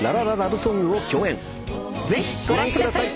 ぜひご覧ください。